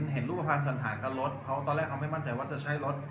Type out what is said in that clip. เห็นรูปภัณฑ์สันฐานกับรถเขาตอนแรกเขาไม่มั่นใจว่าจะใช้รถ